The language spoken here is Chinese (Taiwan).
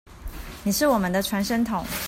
你是我們的傳聲筒